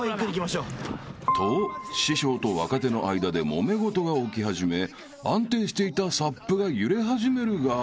［と師匠と若手の間でもめ事が起き始め安定していたＳＵＰが揺れ始めるが］